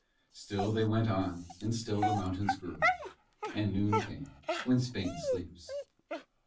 Still they went on and still the mountains grew. And noon came, when Spain sleeps.